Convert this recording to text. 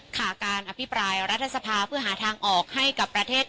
การอภิปรายรัฐสภาเพื่อหาทางออกให้กับประเทศ